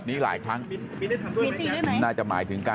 ลูกสาวหลายครั้งแล้วว่าไม่ได้คุยกับแจ๊บเลยลองฟังนะคะ